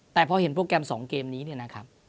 แต่พอเห็นโปรแกรม๒เกมนี้เนี่ยนะครับ